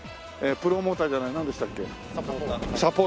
ええプロモーターじゃないなんでしたっけ？